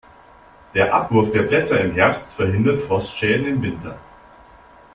Der Abwurf der Blätter im Herbst verhindert Frostschäden im Winter.